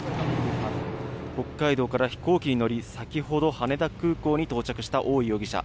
北海道から飛行機に乗り先ほど羽田空港に到着した大井容疑者。